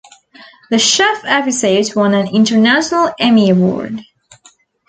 The chef episode won an International Emmy Award.